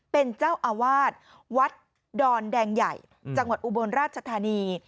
เป็นเจ้าอาวาสวัดดอนแดงใหญ่จังหวัดอุบลราชธานี